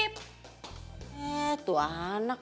eh tua anak